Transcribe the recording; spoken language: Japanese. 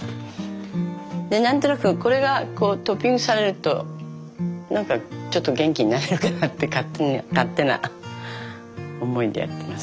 で何となくこれがこうトッピングされると何かちょっと元気になれるかなって勝手な思いでやってます。